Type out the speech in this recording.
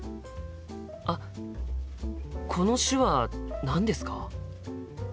あっこの手話何ですか？